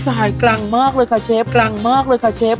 อุ้ยสายกลางมากเลยค่ะเชฟกลางมากเลยค่ะเชฟ